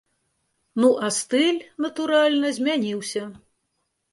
Ну, а стыль, натуральна, змяніўся.